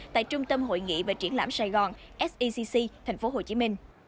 tại trung tâm hội nghị và triển lãm sài gòn secc tp hcm